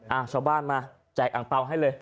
ชาวบ้านมาแจกอังเปล่าให้เลย